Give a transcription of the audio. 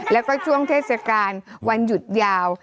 แล้วก็ช่วงเทศกาลวันหยุดยาว